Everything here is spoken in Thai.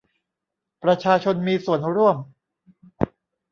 ประชาชนมีส่วนร่วม